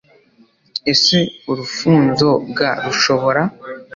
Ese urufunzo g rushobora